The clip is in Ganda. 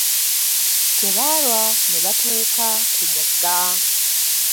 Tebaalwa ne batuuka ku mugga.